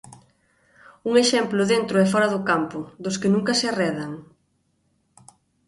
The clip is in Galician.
Un exemplo dentro e fóra do campo, dos que nunca se arredan.